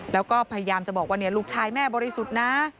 แล้วก็พยายามจะบอกว่าลูกชายแม่บริสุทธิ์นะ